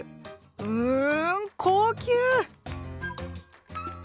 うん高級！